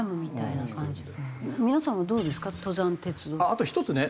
あと一つね